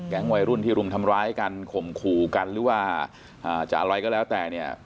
วัยรุ่นที่รุมทำร้ายกันข่มขู่กันหรือว่าจะอะไรก็แล้วแต่เนี่ย